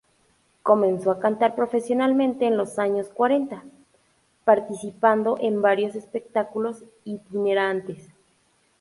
Comenzó a cantar profesionalmente en los años cuarenta, participando en varios espectáculos itinerantes.